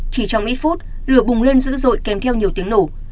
chỉ trong ít phút lửa bùng lên dữ dội kèm theo nhiều tiếng nổ